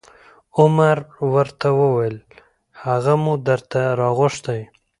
عمر ورته وویل: هغه مو درته راغوښتی